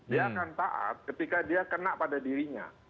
dia akan taat ketika dia kena pada dirinya